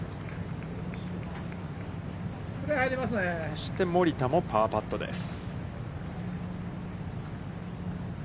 そして森田も、パーパットです。